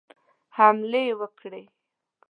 حملې وکړي.